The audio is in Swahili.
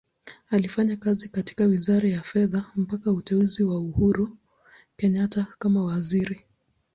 Alifanya kazi katika Wizara ya Fedha mpaka uteuzi wa Uhuru Kenyatta kama Waziri.